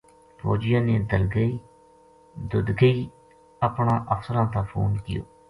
فوجیاں نے ددگئی اپنا افسراں تا فون کیو